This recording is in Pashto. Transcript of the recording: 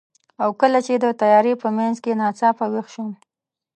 او کله چې د تیارې په منځ کې ناڅاپه ویښ شوم،